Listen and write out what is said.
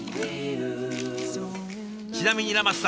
ちなみにラマスさん